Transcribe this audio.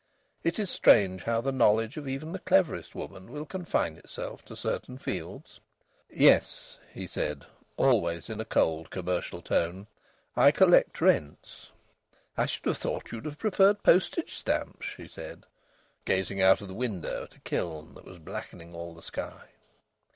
It is strange how the knowledge of even the cleverest woman will confine itself to certain fields. "Yes," he said, always in a cold, commercial tone, "I collect rents." "I should have thought you'd have preferred postage stamps," she said, gazing out of the window at a kiln that was blackening all the sky.